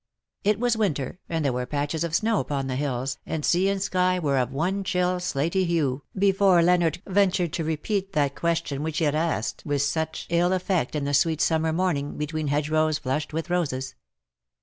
It was winter, and there were patches of snow upon the hills, and sea and sky were of one chill slaty hue, before Leonard ventured to repeat that question which he had asked with such ill effect in ARE MUTE FOR EVER." 117 the sweet summer morning, between hedgerows flushed with roses.